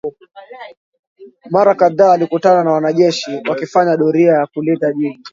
Mara kadhaa alikutana na wanajeshi wakifanya doria ya kulinda jiji